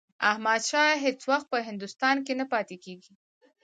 احمدشاه هیڅ وخت په هندوستان کې نه پاتېږي.